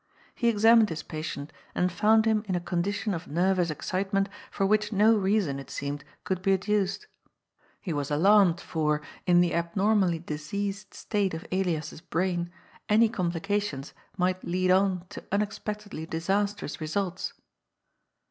He examined his patient and found him in a condition of nervous excitement for which no reason, it seemed, could be adduced. He was alarmed, for, in the abnormally diseased state of Elias's brain, any complications might lead on to unexpectedly disastrous results.